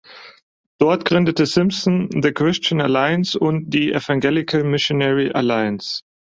Dort gründete Simpson "The Christian Alliance" und "The Evangelical Missionary Alliance".